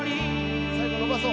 最後伸ばそう。